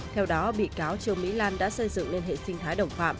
theo đó bị cáo trương mỹ lan đã xây dựng lên hệ sinh thái đồng phạm